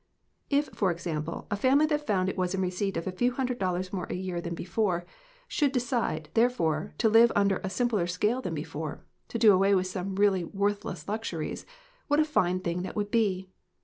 If, for example, a family that found it was in receipt of a few hundred dollars more a year than before should decide, therefore, to live under a simpler scale than before, to do away with some really worthless luxuries, what a fine thing that would be!"